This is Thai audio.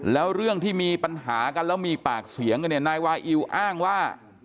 แล้วเรื่องที่มีปัญหากันแล้วมีปากเสียงกันเนี่ยนายวาอิวอ้างว่า